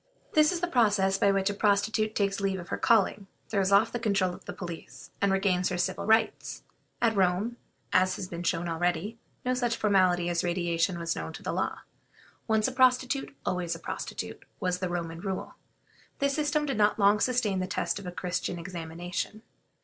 This is the process by which a prostitute takes leave of her calling, throws off the control of the police, and regains her civil rights. At Rome, as has been shown already, no such formality as radiation was known to the law; once a prostitute, always a prostitute, was the Roman rule. This system did not long sustain the test of a Christian examination.